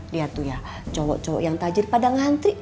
lihat tuh ya cowok cowok yang tajir pada ngantri